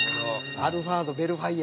アルファードヴェルファイア。